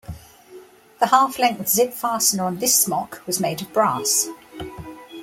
The half-length zip fastener on this smock was made of brass.